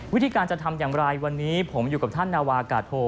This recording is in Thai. วิธีการจะทำอย่างไรวันนี้ผมอยู่กับท่านนาวากาโท